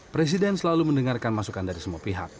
presiden selalu mendengarkan masukan dari semua pihak